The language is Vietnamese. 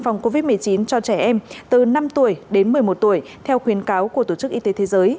phòng covid một mươi chín cho trẻ em từ năm tuổi đến một mươi một tuổi theo khuyến cáo của tổ chức y tế thế giới